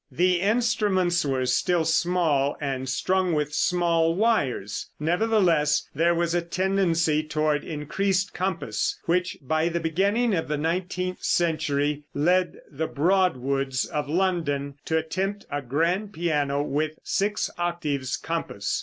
] The instruments were still small, and strung with small wires; nevertheless, there was a tendency toward increased compass, which, by the beginning of the nineteenth century, led the Broadwoods, of London, to attempt a grand piano with six octaves' compass.